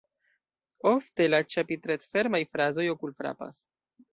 Ofte la ĉapitret-fermaj frazoj okul-frapas.